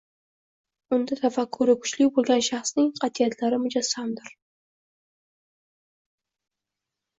Unda tafakkuri kuchli boʻlgan shaxsning qatʼiyatlari mujassamdir.